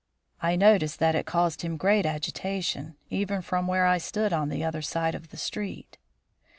I noticed that it caused him great agitation, even from where I stood on the other side of the street."